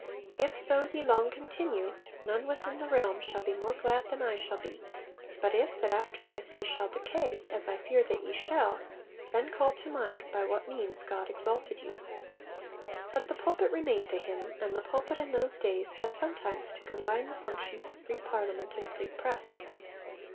If so ye long continue, none within the realm shall be more glad than I shall be; but if that after this ye shall decay (as I fear that ye shall) then call to mind by what means God exalted you.' But the pulpit remained to him, and the pulpit in those days had sometimes to combine the functions of free Parliament and free press.